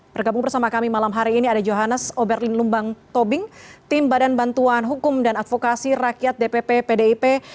bergabung bersama kami malam hari ini ada johannes oberlin lumbang tobing tim badan bantuan hukum dan advokasi rakyat dpp pdip